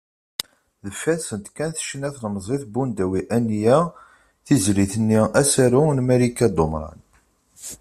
Deffir-sent kan tecna-d tlemẓit Bundawi Anya, tizlit-nni “Asaru” n Malika Dumran.